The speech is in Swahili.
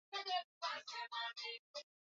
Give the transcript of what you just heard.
meli haikuweza kusimama wala kugeuka haraka